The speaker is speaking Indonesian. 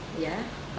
jadi lewat grab